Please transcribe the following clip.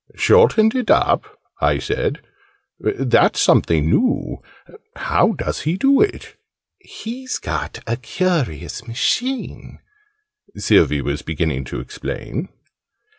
"Shortened it up?" I said. "That's something new. How does he do it?" "He's got a curious machine," Sylvie was beginning to explain.